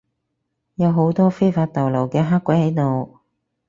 有好多非法逗留嘅黑鬼喺度